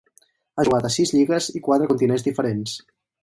Ha jugat a sis lligues i quatre continents diferents.